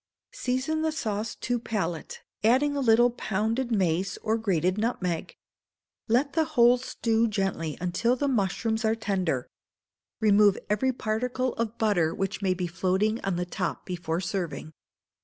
Season the sauce to palate, adding a little pounded mace or grated nutmeg. Let the whole stew gently until the mushrooms are tender. Remove every particle of butter which may be floating on the top before serving.